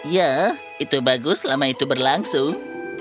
ya itu bagus selama itu berlangsung